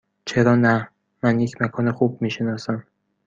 چرا نه؟ من یک مکان خوب می شناسم.